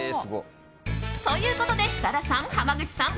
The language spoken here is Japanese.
ということで設楽さん、濱口さん